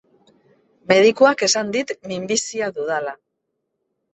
Medikuak esan dit minbizia dudala.